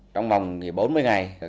trong vòng bốn mươi ngày các bị cáo